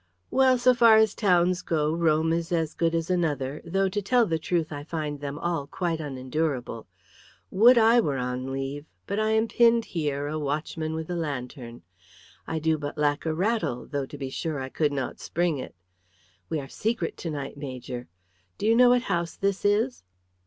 "Well, so far as towns go, Rome is as good as another, though, to tell the truth, I find them all quite unendurable. Would I were on leave! but I am pinned here, a watchman with a lantern. I do but lack a rattle, though, to be sure, I could not spring it. We are secret to night, major. Do you know what house this is?"